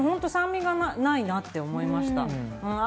酸味がないなって思いました。